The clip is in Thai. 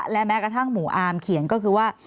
และแม้กระทั่งหมู่อาร์มเขียนก็คือว่า